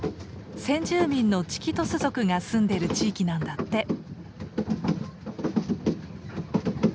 先住民のチキトス族が住んでる地域なんだって。